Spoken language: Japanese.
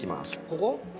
ここ？